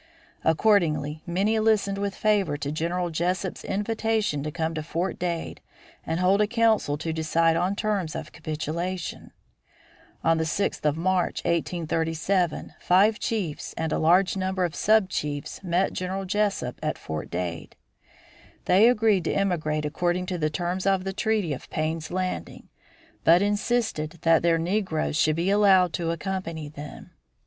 Accordingly many listened with favor to General Jesup's invitation to come to Fort Dade and hold a council to decide on terms of capitulation. On the sixth of March, 1837, five chiefs and a large number of sub chiefs met General Jesup at Fort Dade. They agreed to emigrate according to the terms of the treaty of Payne's Landing, but insisted that their negroes should be allowed to accompany them.